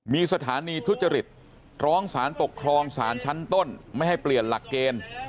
มีสถานีทุจริตร้องสารปกครองสารชั้นต้นไม่ให้เปลี่ยนหลักเกณฑ์